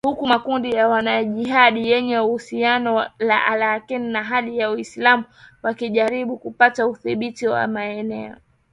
Huku makundi ya wanajihadi yenye uhusiano na al-kaeda na Hali ya kiislamu yakijaribu kupata udhibiti wa maeneo